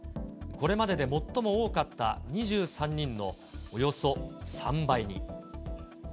これまでで最も多かった２３人のおよそ３倍に。